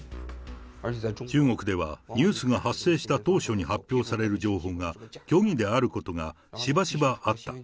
中国ではニュースが発生した当初に発表される情報が、虚偽であることがしばしばあった。